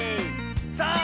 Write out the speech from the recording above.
さあ